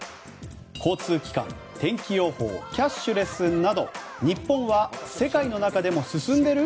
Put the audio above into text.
交通機関、天気予報キャッシュレスなど日本は世界の中でも進んでる？